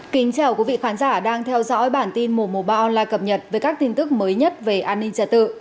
kính chào quý vị khán giả đang theo dõi bản tin mùa mùa ba online cập nhật với các tin tức mới nhất về an ninh trật tự